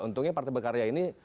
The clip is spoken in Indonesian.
untungnya partai berkarya ini